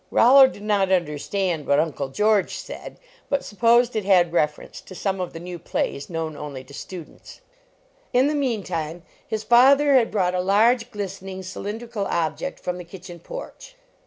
Rollo did not understand what Uncle George said, but supposed it had reference to some of the new plays known only to stu dents. In the meantime, his father had brought a large, glistening cylindrical object from the kitchen porch.